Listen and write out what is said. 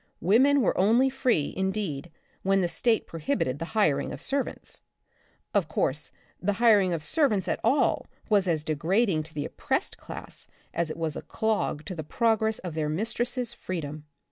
Women were only free, indeed, when the State prohibited the hiring of ser vants. Of course, the hiring of servants at all was as degrading to the oppressed class as it was a clog to the progress of their mistresses* freedom.